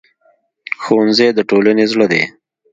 ښوونځی د ټولنې زړه دی